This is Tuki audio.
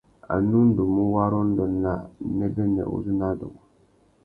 A nu ndú mú warrôndô nà nêbênê uzu nà adôngô.